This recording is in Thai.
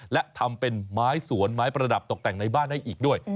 และทำเป็นไม้สวนไม้ประดับตกแต่งในบ้านได้อีกด้วย